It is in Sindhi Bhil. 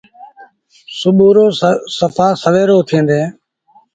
سُڀو رو سڦآ سويرو اُٿيٚن ديٚݩ۔